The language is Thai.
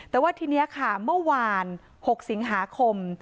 แต่ว่าทีนี้ค่ะเมื่อวาน๖สิงหาคม